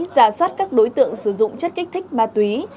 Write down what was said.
giả soát các đối tượng sử dụng chất kích thích ma túy